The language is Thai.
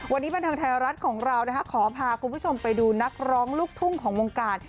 วันนี้บันเทิงไทยรัฐของเราขอพาคุณผู้ชมไปดูนักร้องลูกทุ่งของวงการ